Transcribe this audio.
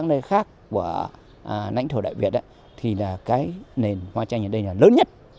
các nơi khác của nãnh thổ đại việt thì là cái nền hoa tranh ở đây là lớn nhất